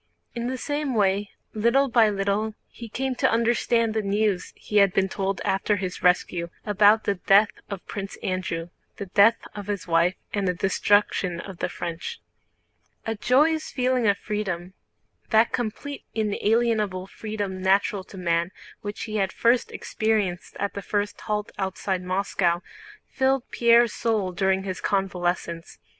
In the same way little by little he came to understand the news he had been told after his rescue, about the death of Prince Andrew, the death of his wife, and the destruction of the French. A joyous feeling of freedom—that complete inalienable freedom natural to man which he had first experienced at the first halt outside Moscow—filled Pierre's soul during his convalescence.